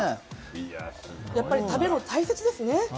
やっぱり食べるのは大切ですね。